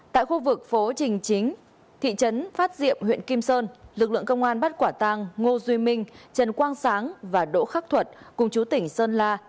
tại khu vực phố trình chính thị trấn phát diệm huyện kim sơn lực lượng công an bắt quả tang ngô duy minh trần quang sáng và đỗ khắc thuật cùng chú tỉnh sơn la